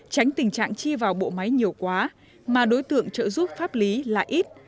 tránh tình trạng chi vào bộ máy nhiều quá mà đối tượng trợ giúp pháp lý là ít